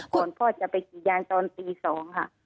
ก่อนพ่อจะไปกี่ยานตอนตีสองค่ะ